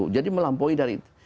jadi melampaui dari itu